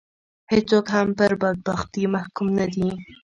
هېڅوک هم پر بدبختي محکوم نه دي.